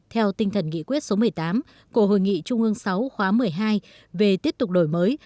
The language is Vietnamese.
theo tinh thần nghị quyết số một mươi tám của hội nghị trung ương sáu khóa một mươi hai về tiếp tục đổi mới